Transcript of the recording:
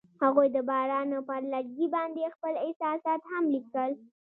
هغوی د باران پر لرګي باندې خپل احساسات هم لیکل.